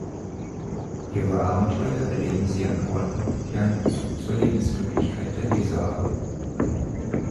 Ihre Abenteuer erleben sie an Orten, die einen Bezug zur Lebenswirklichkeit der Leser haben.